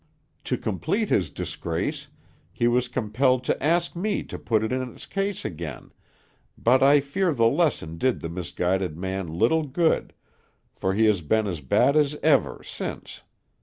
To complete his disgrace, he was compelled to ask me to put it in its case again; but I fear the lesson did the misguided man little good, for he has been as bad as ever since.